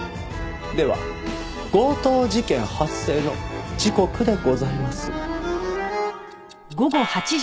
では強盗事件発生の時刻でございます。